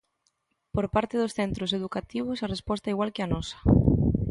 Por parte dos centros educativos, a resposta é igual que a nosa.